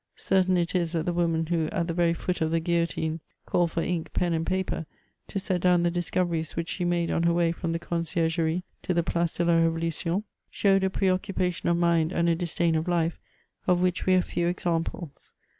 Certain it is that the woman who, at the very foot of the guillotine, called for ink, pen, and paper, to set down the discoveries which she made on her way horn, the Concier gerie to the Place de la Revolution, showed a pre occupation of miad and a disdain of life of which we have few examples.